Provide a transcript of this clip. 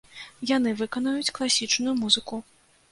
Яны выканаюць класічную музыку.